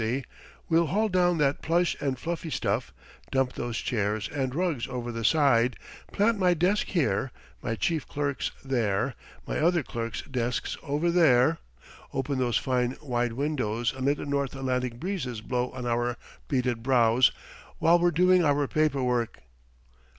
C. "We'll haul down that plush and fluffy stuff, dump those chairs and rugs over the side, plant my desk here, my chief clerk's there, my other clerks' desks over there, open those fine wide windows and let the north Atlantic breezes blow on our beaded brows while we're doing our paper work.